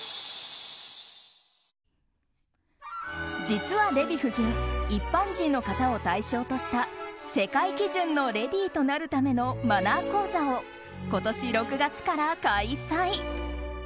実は、デヴィ夫人一般人の方を対象とした世界基準のレディーとなるためのマナー講座を今年６月から開催。